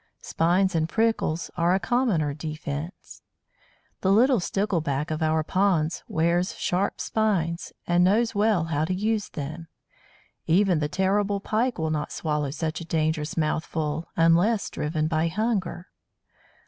Spines and prickles are a commoner defence. The little Stickleback of our ponds wears sharp spines, and knows well how to use them. Even the terrible Pike will not swallow such a dangerous mouthful unless driven by hunger.